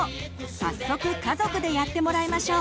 早速家族でやってもらいましょう！